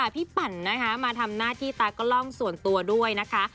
ปั่นนะคะมาทำหน้าที่ตากล้องส่วนตัวด้วยนะคะ